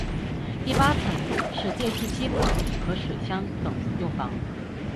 第八层是电梯机房和水箱等用房。